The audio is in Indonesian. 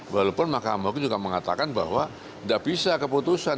walaupun mahkamah agung juga mengatakan bahwa tidak bisa keputusan